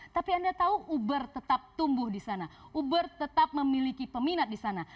tapi anda tahu uber tetap tumbuh di sana uber tetap memiliki peminat di sana